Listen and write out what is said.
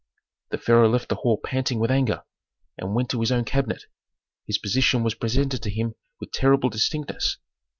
The pharaoh left the hall panting with anger, and went to his own cabinet. His position was presented to him with terrible distinctness.